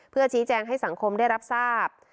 เพื่อชี้แจงให้สังคมได้รับทราบ